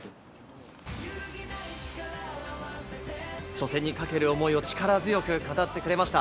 初戦にかける思いを力強く語ってくれました。